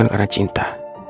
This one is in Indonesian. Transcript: bukan karena cinta